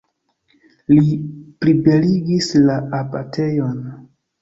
Li plibeligis la abatejon.